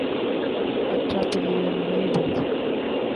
اچھا پلئیر نہیں بن سکتا،